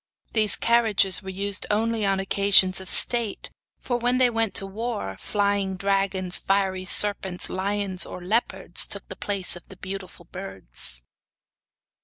These carriages were only used on occasions of state, for when they went to war flying dragons, fiery serpents, lions or leopards, took the place of the beautiful birds.